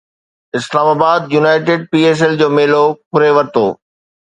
اسلام آباد United P S L جو ميلو ڦري ورتو